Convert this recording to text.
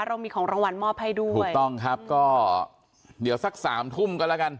เรามีของรางวัลมอบให้ด้วยถูกต้องครับก็เดี๋ยวสักสามทุ่มก็แล้วกัน